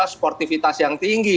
sportivitas yang tinggi